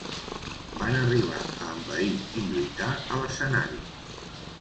Van arribar a envair i lluitar a l'escenari.